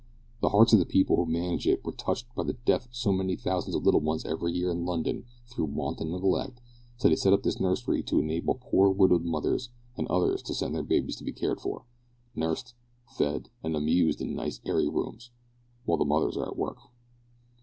The hearts of the people who manage it were touched by the death of so many thousands of little ones every year in London through want and neglect, so they set up this nursery to enable poor widowed mothers and others to send their babies to be cared for nursed, fed, and amused in nice airy rooms while the mothers are at work.